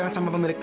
ya ampun tante